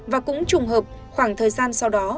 và cũng trùng hợp khoảng thời gian sau đó